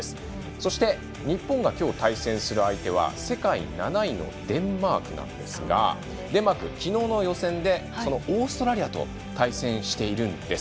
そして、日本がきょう対戦する相手は世界７位のデンマークなんですがデンマークはきのうの予選でオーストラリアと対戦しているんです。